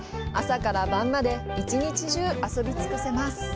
朝から晩まで、一日中、遊び尽くせます。